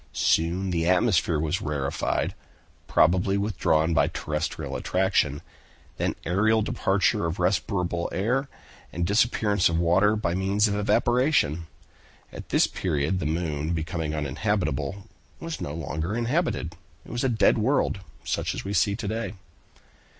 Soon the atmosphere was rarefied, probably withdrawn by terrestrial attraction; then aerial departure of respirable air, and disappearance of water by means of evaporation. At this period the moon becoming uninhabitable, was no longer inhabited. It was a dead world, such as we see it to day."